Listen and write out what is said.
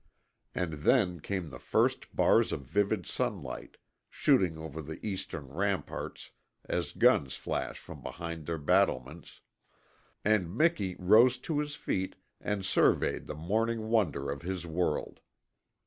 And then came the first bars of vivid sunlight, shooting over the eastern ramparts as guns flash from behind their battlements, and Miki rose to his feet and surveyed the morning wonder of his world.